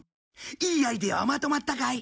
いいアイデアはまとまったかい？